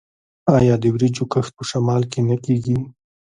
آیا د وریجو کښت په شمال کې نه کیږي؟